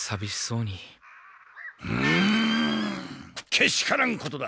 けしからんことだ。